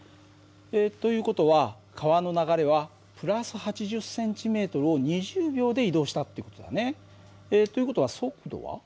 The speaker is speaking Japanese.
という事は川の流れは＋８０ｃｍを２０秒で移動したっていう事だね。という事は速度は？